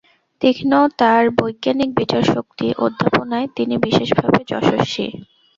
তীক্ষ্ণ তাঁর বৈজ্ঞানিক বিচারশক্তি, অধ্যাপনায় তিনি বিশেষভাবে যশম্বী।